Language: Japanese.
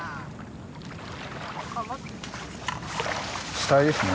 死体ですね。